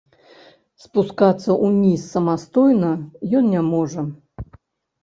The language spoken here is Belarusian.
Спускацца ўніз самастойна ён не можа.